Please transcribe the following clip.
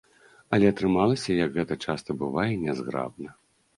Але атрымалася, як гэта часта бывае, нязграбна.